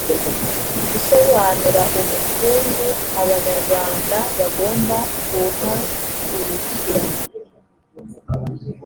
usobanura ubukungu abanyarwanda bagomba guhagurukira